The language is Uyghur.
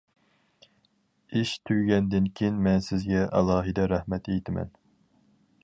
ئىش تۈگىگەندىن كېيىن مەن سىزگە ئالاھىدە رەھمەت ئېيتىمەن.